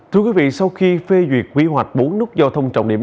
thưa quý vị sau khi phê duyệt quy hoạch bốn nút giao thông trọng điểm